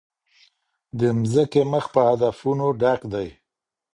د مځکي مخ په هدفونو ډک دی.